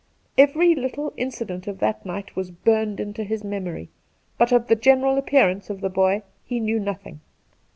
Every little incident of that night was burned into his memory, but of the general appearance of the boy he knew nothing.